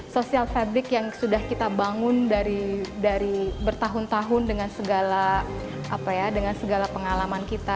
sosial publik yang sudah kita bangun dari bertahun tahun dengan segala pengalaman kita